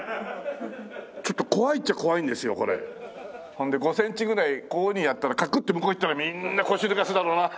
それで５センチぐらいこういうふうにやったらカクッて向こう行ったらみんな腰抜かすだろうな。